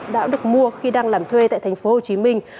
đã được mua khi đang làm thuê tại thành phố hồ chí minh